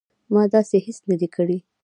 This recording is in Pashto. ما داسې هیڅ نه دي کړي